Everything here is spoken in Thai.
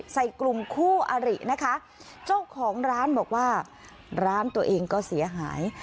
ใส่กลุ่มคู่อรินะคะเจ้าของร้านบอกว่าร้านตัวเองก็เสียหาย